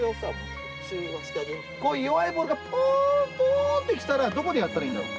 こういう弱いボールがぽーんぽーんって来たらどこでやったらいいんだろう。